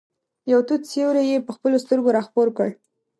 یو تت سیوری یې په خپلو سترګو را خپور کړ.